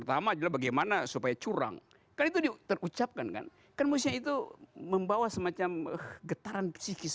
adalah bagaimana supaya curang itu diucapkan kan kan musim itu membawa semacam getaran psikis